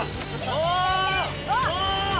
お！